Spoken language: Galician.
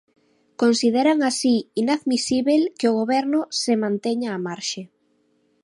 Consideran así "inadmisíbel" que o Goberno "se manteña á marxe".